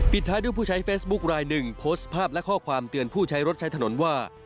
ท้ายด้วยผู้ใช้เฟซบุ๊คลายหนึ่งโพสต์ภาพและข้อความเตือนผู้ใช้รถใช้ถนนว่า